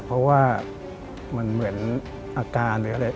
เพราะว่ามันเหมือนอาการหรืออะไร